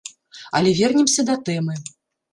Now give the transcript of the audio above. Але вернемся да тэмы.